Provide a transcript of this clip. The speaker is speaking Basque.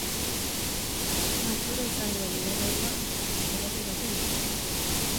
Matxura izan duen ibilgailua erretiratu dute.